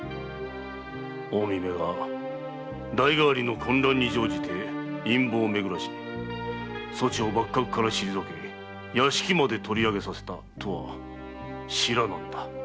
近江めが代替わりの混乱に乗じて陰謀をめぐらしそちを幕閣から退け屋敷まで取り上げさせたとは知らなんだ。